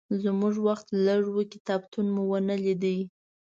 زموږ وخت لږ و، کتابتون مو ونه لید.